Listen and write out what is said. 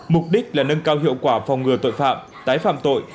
mục đích là nâng cao hiệu quả phòng ngừa tội phạm tái phạm tội